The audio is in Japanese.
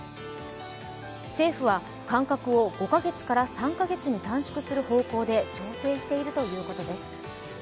政府は、間隔を５か月から３か月に短縮する方向で調整しているということです。